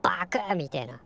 みてえな。